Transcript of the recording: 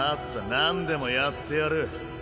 なんでもやってやる。